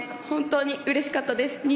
本当にうれしかったです。